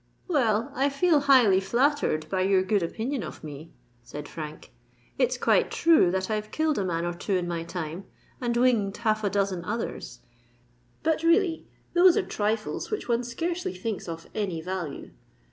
"Well, I feel highly flattered by your good opinion of me," said Frank. "It's quite true that I've killed a man or two in my time, and winged half a dozen others;—but really those are trifles which one scarcely thinks of any value.